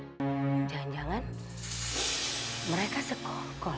jangan jangan mereka sekol kol